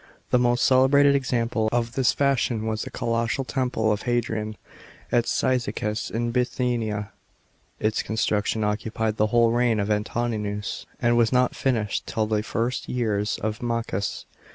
The most celebrated example of this fashion was the colossal temple of Hadrian at Oyzicus, in Bithynia. Its construction occupied the whole reign of Antoninus, and was not finished till the first years of Ma cus.